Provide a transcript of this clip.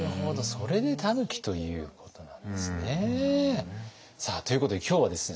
それで「たぬき」ということなんですね。ということで今日はですね